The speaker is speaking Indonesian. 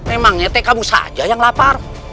emangnya teh kamu saja yang lapar